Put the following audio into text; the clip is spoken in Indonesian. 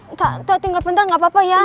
enggak enggak tinggal bentar enggak apa apa ya